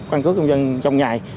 căn cứ công dân trong ngày